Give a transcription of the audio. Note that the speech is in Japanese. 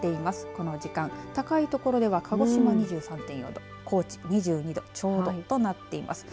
この時間、高い所では鹿児島２３．４度、高知２２度ちょうどとなっています。